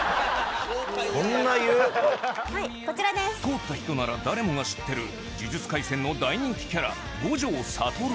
通った人なら誰もが知ってる『呪術廻戦』の大人気キャラ五条悟